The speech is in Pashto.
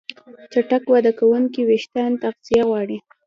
چټک وده کوونکي وېښتيان تغذیه غواړي.